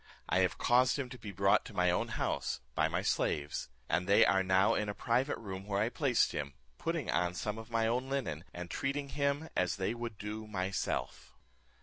I have caused him to be brought to my own house, by my slaves; and they are now in a private room where I placed him, putting on some of my own linen, and treating him as they would do myself."